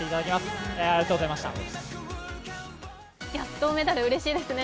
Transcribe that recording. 銅メダル、うれしいですね。